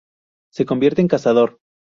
Se convierte en Cazador.